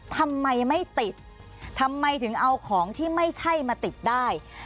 ทำไมไม่ติดทำไมถึงเอาของที่ไม่ใช่มาติดได้